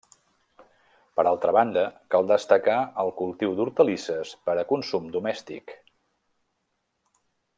Per altra banda, cal destacar el cultiu d'hortalisses per a consum domèstic.